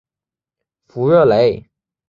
弗热雷。